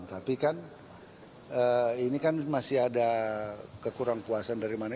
tapi kan ini kan masih ada kekurangpuasan dari mana